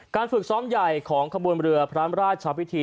ฝึกซ้อมใหญ่ของขบวนเรือพระราชพิธี